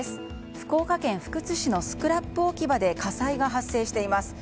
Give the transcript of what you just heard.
福岡県福津市のスクラップ置き場で火災が発生しています。